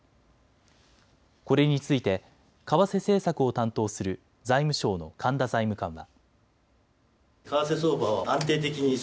これについて為替政策を担当する財務省の神田財務官は。